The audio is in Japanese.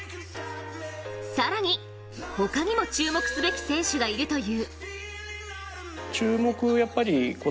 更に他にも注目すべき選手がいるという。